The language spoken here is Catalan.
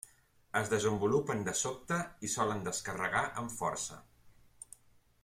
Es desenvolupen de sobte i solen descarregar amb força.